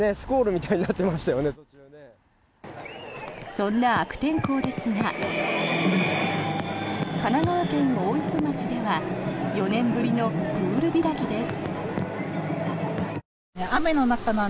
そんな悪天候ですが神奈川県大磯町では４年ぶりのプール開きです。